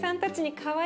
かわいい！